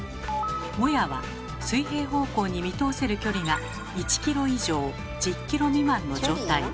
もやは水平方向に見通せる距離が１ｋｍ以上１０ｋｍ未満の状態。